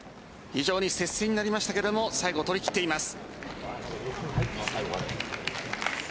非常に接戦になりましたけど最後取り切っています。